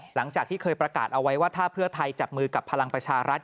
หลังจากที่เคยประกาศเอาไว้ว่าถ้าเพื่อไทยจับมือกับพลังประชารัฐ